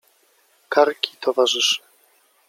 karki towarzyszy.